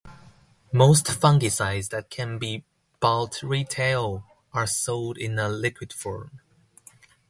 Most fungicides that can be bought retail are sold in a liquid form.